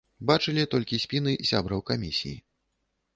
Бачылі толькі спіны сябраў камісіі.